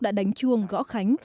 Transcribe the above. đã đánh chuông gõ khánh